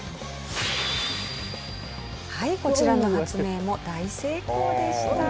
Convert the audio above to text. はいこちらの発明も大成功でした。